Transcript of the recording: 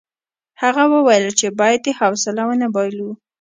هغه وویل چې باید حوصله ونه بایلو.